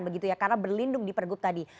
begitu ya karena berlindung di pergub tadi